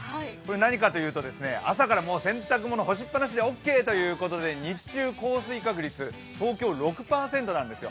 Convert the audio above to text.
何かというと、朝から洗濯物干しっぱなしでオーケーということで日中、降水確率、東京は６％なんです。